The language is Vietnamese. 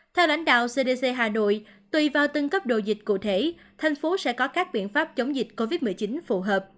theo lãnh đạo cdc hà nội tùy vào từng cấp độ dịch cụ thể thành phố sẽ có các biện pháp chống dịch covid một mươi chín phù hợp